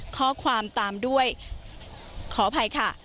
ข้อความตามด้วยขออภัยค่ะ